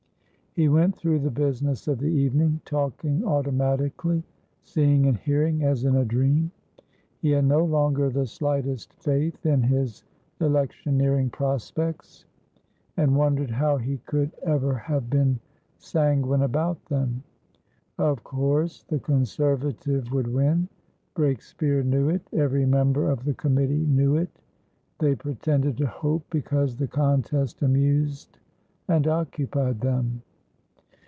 He went through the business of the evening, talking automatically, seeing and hearing as in a dream. He had no longer the slightest faith in his electioneering prospects, and wondered how he could ever have been sanguine about them. Of course the Conservative would win. Breakspeare knew it; every member of the committee knew it; they pretended to hope because the contest amused and occupied them.